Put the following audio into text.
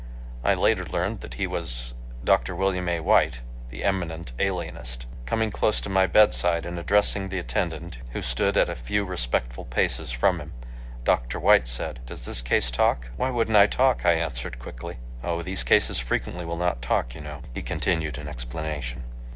I later learned that he was Dr. William A. White, the eminent alienist. Coming close to my bedside and addressing the attendant, who stood at a few respectful paces from him, Dr. White said: "Does this case talk?" "Why wouldn't I talk?" I answered quickly. "Oh, these cases frequently will not talk, you know," he continued in explanation.